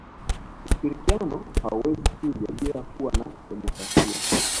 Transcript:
ushirikiano hauwezi kuja bila kuwa na demokrasia